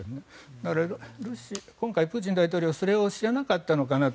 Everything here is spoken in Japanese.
だから今回プーチン大統領はそれを知らなかったのかなと。